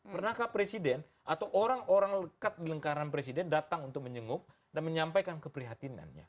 pernahkah presiden atau orang orang lekat di lingkaran presiden datang untuk menyenguk dan menyampaikan keprihatinannya